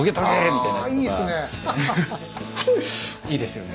いいですよね。